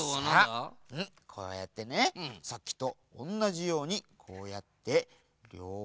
さあこうやってねさっきとおんなじようにこうやってりょうほうをひっぱるでしょ。